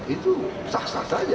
itu sah sah saja